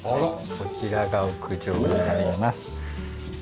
こちらが屋上になります。